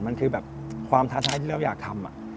มันคือแบบความท้าทายที่เราอยากทำ